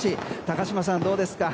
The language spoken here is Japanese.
高島さん、どうですか？